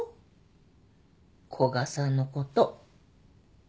古賀さんのこと。